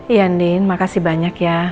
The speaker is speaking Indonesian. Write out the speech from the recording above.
iya nin makasih banyak ya